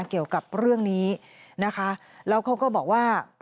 เกี่ยวกับเรื่องนี้นะคะแล้วเขาก็บอกว่า